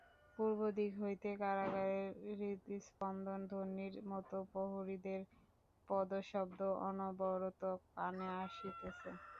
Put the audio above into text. পূর্বদিক হইতে কারাগারের হৃৎস্পন্দন-ধ্বনির মতো প্রহরীদের পদশব্দ অনবরত কানে আসিতেছে।